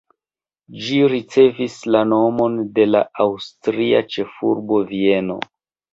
Ĝi ricevis la nomon de la aŭstria ĉefurbo Vieno.